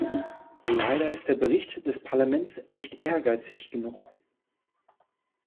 Leider ist der Bericht des Parlaments nicht ehrgeizig genug.